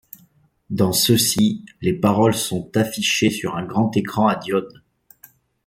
Dans ceux-ci, les paroles sont affichées sur un grand écran à diodes.